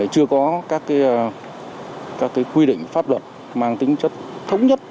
chưa có các quy định pháp luật mang tính chất thống nhất